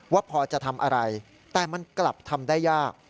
ว่าพอจะทำอะไรแต่มันกลับทำได้ยาก